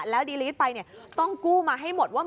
แล้วดีลีสไปต้องกู้มาให้หมดว่า